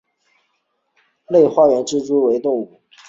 类花岗园蛛为园蛛科园蛛属的动物。